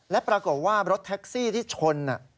และปรากฏว่ารถแท็กซี่ที่ชน